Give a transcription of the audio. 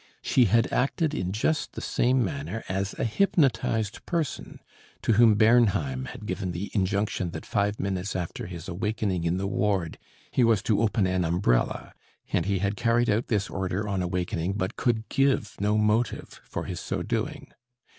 She had acted in just the same manner as a hypnotized person to whom Bernheim had given the injunction that five minutes after his awakening in the ward he was to open an umbrella, and he had carried out this order on awakening, but could give no motive for his so doing.